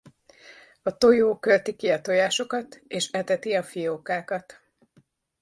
A tojó költi ki a tojásokat és eteti a fiókákat.